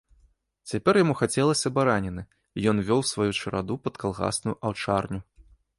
Цяпер яму хацелася бараніны, і ён вёў сваю чараду пад калгасную аўчарню.